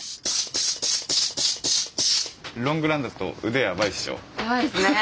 ロングランだと腕やばいでしょ？